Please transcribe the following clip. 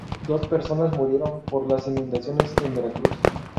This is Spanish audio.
Dos personas murieron por las inundaciones en Veracruz.